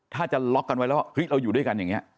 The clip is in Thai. ถ้าจะล็อกกันไว้แล้วว่าเฮ้ยเราอยู่ด้วยกันอย่างนี้